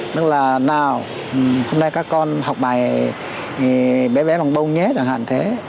nó là nào hôm nay các con học bài bé bé bằng bông nhé chẳng hạn thế